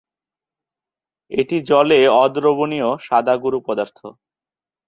এটি জলে অদ্রবণীয় সাদা গুঁড়ো পদার্থ।